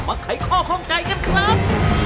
ไขข้อข้องใจกันครับ